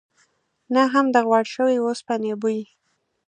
نه هم د غوړ شوي اوسپنې بوی.